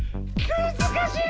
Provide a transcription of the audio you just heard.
むずかしい。